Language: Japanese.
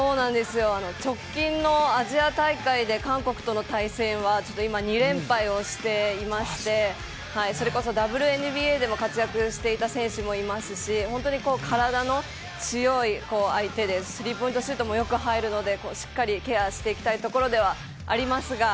直近のアジア大会で韓国との対戦は今、２連敗をしていましてそれこそＷＮＢＡでも活躍していた選手もいますし本当に体の強い相手でスリーポイントシュートもよく入るので、しっかりケアしていきたいところでもありますが。